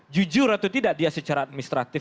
jujur atau tidak dia secara administratif